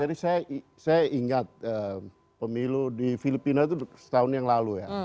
saya ingat pemilu di filipina itu setahun yang lalu ya